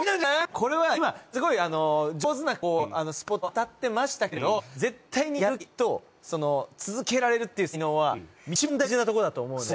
これは今すごい上手な子スポット当たってましたけれど絶対にやる気と続けられるっていう才能はいちばん大事なとこだと思うので。